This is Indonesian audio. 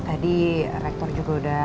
tadi rektor juga udah